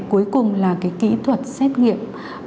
cuối cùng là kỹ thuật xét nghiệm